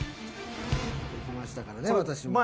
できましたからね私も。